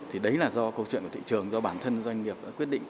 thì đấy là do câu chuyện của thị trường do bản thân doanh nghiệp đã quyết định